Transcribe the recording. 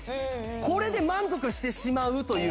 これで満足してしまうという。